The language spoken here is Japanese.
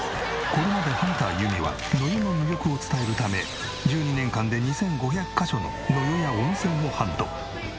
これまでハンターゆみは野湯の魅力を伝えるため１２年間で２５００カ所の野湯や温泉をハント。